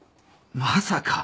まさか！